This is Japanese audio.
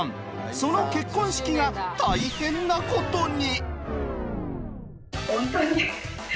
その結婚式が大変なことに！